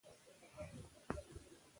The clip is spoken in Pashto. قانون د ټولنې ملا ده